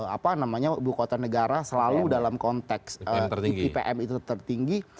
apa namanya ibu kota negara selalu dalam konteks ipm itu tertinggi